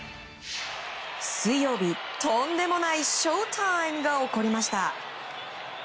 水曜日、とんでもないショータイムが起こりました。